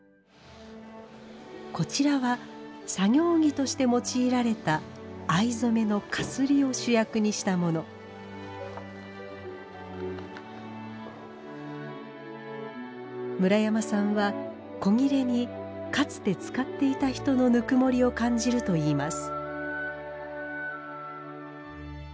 こちらは作業着として用いられた藍染めの絣を主役にしたもの村山さんは古裂にかつて使っていた人のぬくもりを感じるといいます